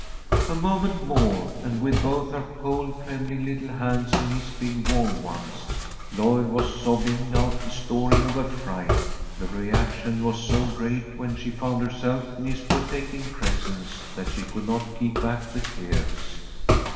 A moment more, and with both her cold, trembling little hands in his big warm ones, Lloyd was sobbing out the story of her fright. The reaction was so great when she found herself in his protecting presence, that she could not keep back the tears.